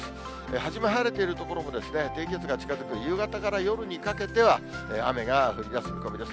初め、晴れている所も、低気圧が近づく夕方から夜にかけては、雨が降りだす見込みです。